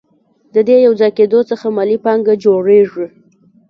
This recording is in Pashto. د دې یوځای کېدو څخه مالي پانګه جوړېږي